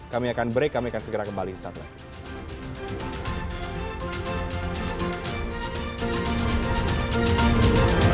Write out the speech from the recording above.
kami akan break kami akan segera kembali setelah itu